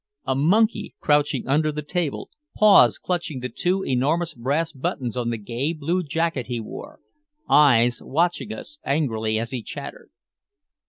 A monkey crouching under the table, paws clutching the two enormous brass buttons on the gay blue jacket he wore, eyes watching us angrily as he chattered.